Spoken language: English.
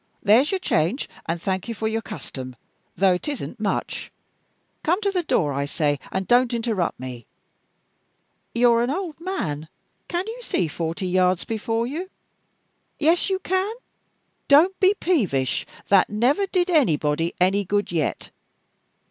There's your change, and thank you for your custom, though it isn't much. Come to the door, I say, and don't interrupt me! You're an old man can you see forty yards before you? Yes, you can! Don't be peevish that never did anybody any good yet.